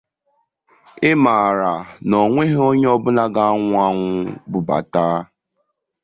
ị mara na o nweghị onye ọbụla ga-anwa ànwà bubàta